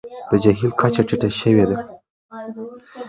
د جهیل کچه ټیټه شوې ده.